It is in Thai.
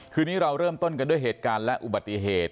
คืนนี้เราเริ่มต้นกันด้วยเหตุการณ์และอุบัติเหตุ